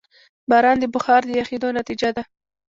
باران د بخار د یخېدو نتیجه ده.